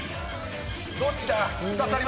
どっちだ？